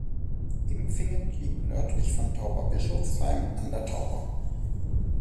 Impfingen liegt nördlich von Tauberbischofsheim an der Tauber.